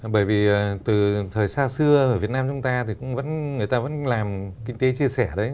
bởi vì từ thời xa xưa ở việt nam chúng ta thì cũng vẫn người ta vẫn làm kinh tế chia sẻ đấy